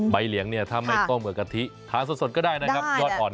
ใบเลี้ยงถ้าไม่ต้มกับกะทิทานสดก็ได้นะครับยอดอ่อนอร่อย